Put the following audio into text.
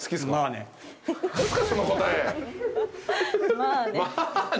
「まあね」